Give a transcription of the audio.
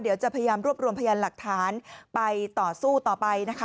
เดี๋ยวจะพยายามรวบรวมพยานหลักฐานไปต่อสู้ต่อไปนะคะ